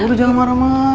udah jangan marah marah